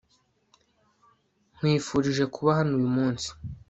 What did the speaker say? nkwifurije kuba hano uyu munsi